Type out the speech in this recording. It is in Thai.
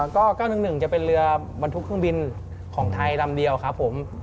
ก็๙๑๑จะเป็นเรือบรรทุกเครื่องบินของไทยลำเดียวครับผม